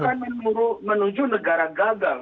akan menuju negara gagal